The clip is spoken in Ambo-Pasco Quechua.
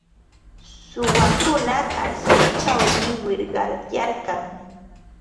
Suwakuna karsilćhawmi wichqaryarkan.